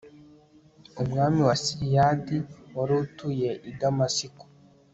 umwami wa siriyadi wari utuye i damasiko